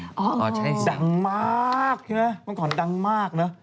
ดังมากใช่ไหมเมื่อก่อนดังมากนะ